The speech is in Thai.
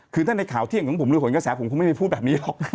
คือถ้าในข่าวที่อย่างนั้นผมเลือกขนกระแสผมคงไม่ได้พูดแบบนี้หรอก